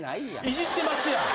いじってますやん。